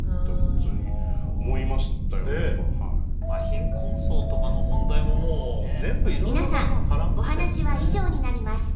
貧困層とかの問題ももう全部色々皆さんお話は以上になります